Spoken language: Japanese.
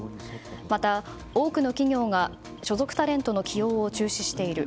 また、多くの企業が所属タレントの起用を中止している。